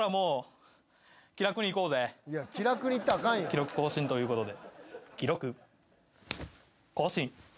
記録更新ということで。